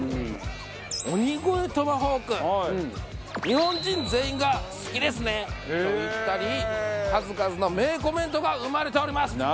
「日本人全員が好きですね」と言ったり数々の名コメントが生まれておりますと。